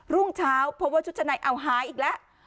รุ่งเช้าพบว่าชุดชั้นในเอาหายอีกแล้ว